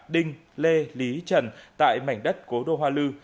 đinh lê lý trần tại mảnh đất cố đô hoa lư